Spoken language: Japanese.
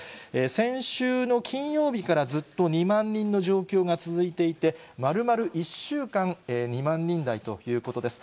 先週の金曜日からずっと２万人の状況が続いていて、まるまる１週間、２万人台ということです。